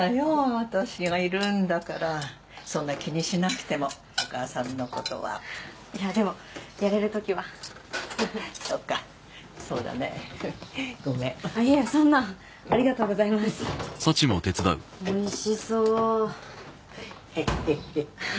私がいるんだからそんな気にしなくてもお母さんのことはいやでもやれるときはそっかそうだねごめんいえそんなありがとうございますおいしそうへへへっははは